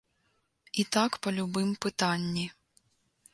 І так па любым пытанні.